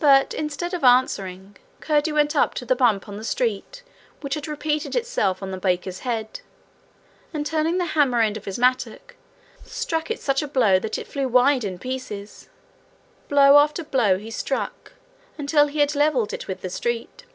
But, instead of answering, Curdie went up to the bump on the street which had repeated itself on the baker's head, and turning the hammer end of his mattock, struck it such a blow that it flew wide in pieces. Blow after blow he struck until he had levelled it with the street.